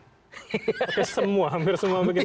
oke semua hampir semua begitu